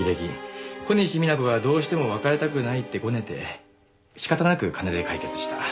小西皆子がどうしても別れたくないってゴネて仕方なく金で解決した。